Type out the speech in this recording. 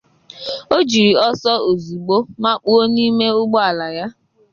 o jiri ọsọ ozigbo makpuo n'ime ụgbọala ya